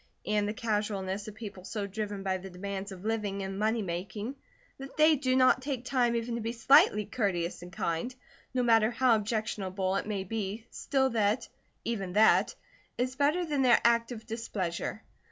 And the casualness of people so driven by the demands of living and money making that they do not take time even to be slightly courteous and kind, no matter how objectionable it may be, still that, even that, is better than their active displeasure.